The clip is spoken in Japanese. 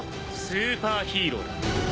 「スーパーヒーローだ」